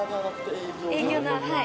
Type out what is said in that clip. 営業のはい。